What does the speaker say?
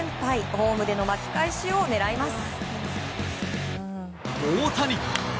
ホームでの巻き返しを狙います。